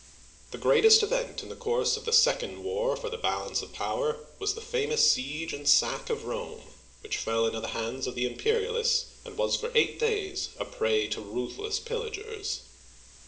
The greatest event in the course of the Second War for the Balance of Power was the famous siege and sack of Rome, which fell into the hands of the Imperialists and was for eight days a prey to ruthless pillagers.